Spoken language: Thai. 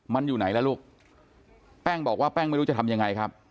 มันอยู่ไหนล่ะลูกแป้งบอกว่าแป้งไม่รู้จะทำยังไงครับ